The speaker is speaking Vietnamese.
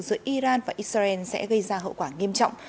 giữa iran và israel sẽ gây ra hậu quả nghiêm trọng